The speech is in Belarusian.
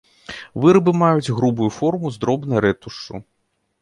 Вырабы маюць грубую форму з дробнай рэтушшу.